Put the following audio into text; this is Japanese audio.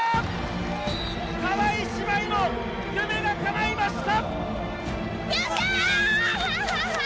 川井姉妹の夢がかないました。